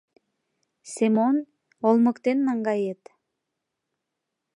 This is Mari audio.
Семон, олмыктен наҥгает!..